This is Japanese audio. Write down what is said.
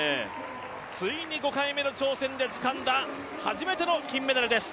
ついに５回目の挑戦でつかんだ初めての金メダルです。